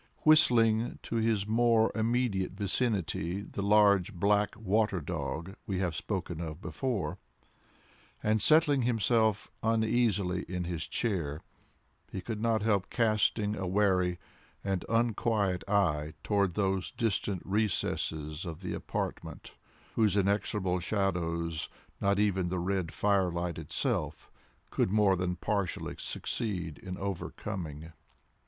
Whistling to his more immediate vicinity the large black water dog we have spoken of before, and settling himself uneasily in his chair, he could not help casting a wary and unquiet eye toward those distant recesses of the apartment whose inexorable shadows not even the red firelight itself could more than partially succeed in overcoming.